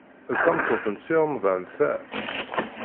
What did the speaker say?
D tameṭṭut n Si Remḍan, ta?